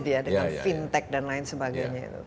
dengan fintech dan lain sebagainya